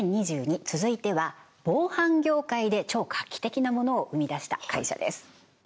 続いては防犯業界で超画期的なものを生み出した会社です